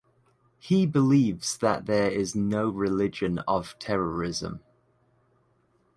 He believes that there is no religion of terrorism.